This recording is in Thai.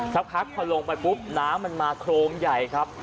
สักพักพอลงไปปุ๊บน้ำมันมาโครมใหญ่ครับ